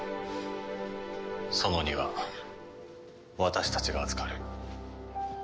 ソノニは私たちが預かる。